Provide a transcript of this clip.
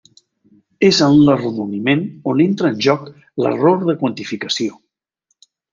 És en l'arrodoniment on entra en joc l'error de quantificació.